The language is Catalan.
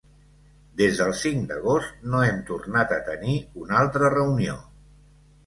Des del cinc d’agost no hem tornat a tenir una altra reunió.